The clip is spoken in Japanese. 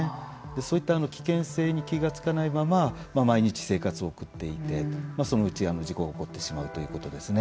そういった危険性に気付かないまま毎日、生活を送っていてそのうち事故が起こってしまうということですね。